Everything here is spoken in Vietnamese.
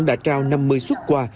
đã trao năm mươi xuất quà